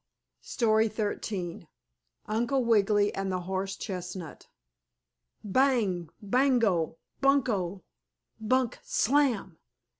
STORY XIII UNCLE WIGGILY AND THE HORSE CHESTNUT "Bang! Bango! Bunko! Bunk! Slam!"